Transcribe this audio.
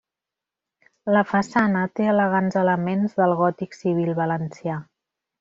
La façana té elegants elements del gòtic civil valencià.